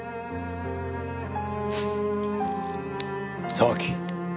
沢木。